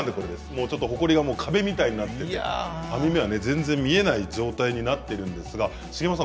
もうちょっとほこりが壁みたいになってて網目はね全然見えない状態になっているんですが重政さん